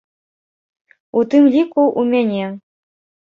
У тым ліку ў мяне.